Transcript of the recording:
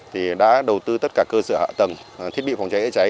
thì đã đầu tư tất cả cơ sở hạ tầng thiết bị phòng cháy cháy